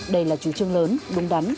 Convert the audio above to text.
đây là chủ trương lớn đúng đắn